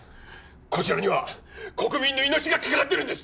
こちらには国民の命がかかってるんです！